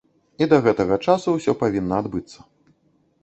І да гэтага часу ўсё павінна адбыцца.